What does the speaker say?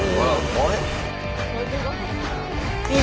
あれ？